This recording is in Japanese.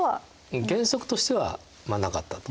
原則としてはなかったと。